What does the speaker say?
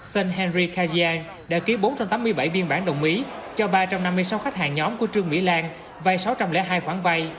sơn henry kajian đã ký bốn trăm tám mươi bảy biên bản đồng ý cho ba trăm năm mươi sáu khách hàng nhóm của trương mỹ lan vay sáu trăm linh hai khoản vay